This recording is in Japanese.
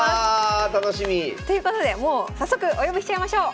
楽しみ。ということでもう早速お呼びしちゃいましょう！